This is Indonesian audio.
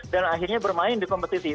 dan akhirnya bermain di kompetisi